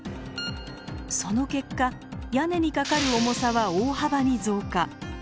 その結果屋根にかかる重さは大幅に増加。